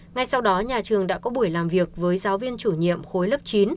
ngay sau đó nhà trường đã có buổi làm việc với giáo viên chủ nhiệm khối lớp chín